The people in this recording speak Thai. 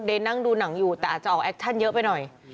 นั่งดูหนังอยู่แต่อาจจะออกแอคชั่นเยอะไปหน่อย